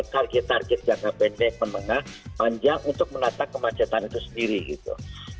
target target jangka pendek menengah panjang untuk menata kemacetan itu sendiri gitu